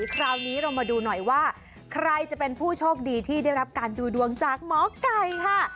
คราวนี้เรามาดูหน่อยว่าใครจะเป็นผู้โชคดีที่ได้รับการดูดวงจากหมอไก่ค่ะ